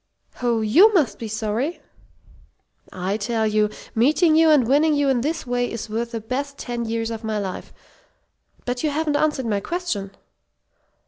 Oh, you must be sorry?" "I tell you, meeting you and winning you in this way is worth the best ten years of my life. But you haven't answered my question."